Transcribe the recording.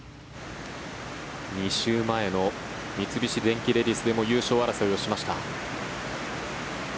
２週前の三菱電機レディスでも優勝争いをしました。